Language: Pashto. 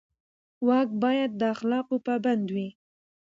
واک باید د اخلاقو پابند وي.